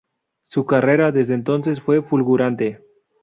Su carrera, desde entonces, fue fulgurante.